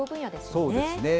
そうですね。